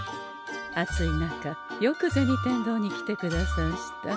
暑い中よく銭天堂に来てくださんした。